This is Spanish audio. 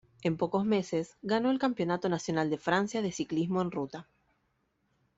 En pocos meses, ganó el Campeonato Nacional de Francia de ciclismo en ruta.